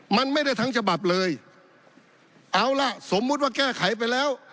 มันไม่ได้ทั้งฉบับเลยเอาล่ะสมมุติว่าแก้ไขไปแล้ว